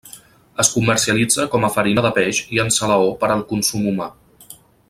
Es comercialitza com a farina de peix i en salaó per al consum humà.